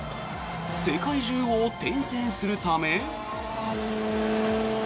世界中を転戦するため。